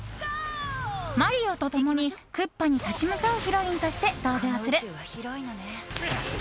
マリオと共にクッパに立ち向かうヒロインとして登場する。